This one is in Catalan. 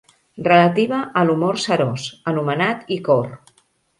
Relativa a l'humor serós anomenat icor.